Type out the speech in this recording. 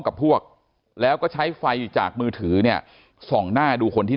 กับพวกแล้วก็ใช้ไฟจากมือถือเนี่ยส่องหน้าดูคนที่